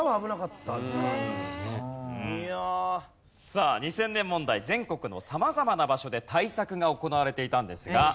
さあ２０００年問題全国の様々な場所で対策が行われていたんですが。